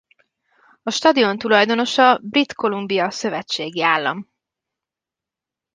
A stadion tulajdonosa Brit Columbia szövetségi állam.